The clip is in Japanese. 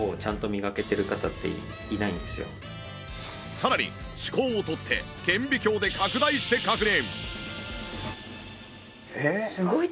さらに歯垢を取って顕微鏡で拡大して確認